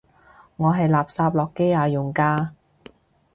我係垃圾諾基亞用家